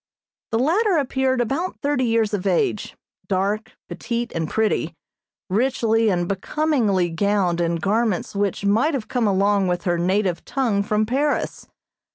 The latter appeared about thirty years of age, dark, petite and pretty, richly and becomingly gowned in garments which might have come along with her native tongue from Paris.